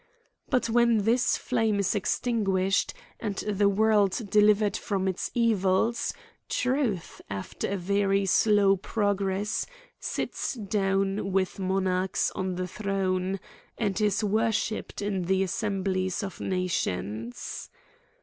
But when this flame is extinguished, and the world delivered from its evils, truth, after a very slow progress, sits down with monarchs on the throne, and is worshipped in the assemblies of nations.